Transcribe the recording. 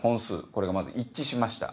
これがまず一致しました。